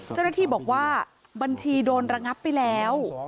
เจ้าหน้าที่บอกว่าบัญชีโดนระงับไปแล้ว